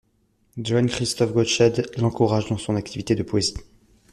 Johann Christoph Gottsched l'encourage dans son activité de poésie.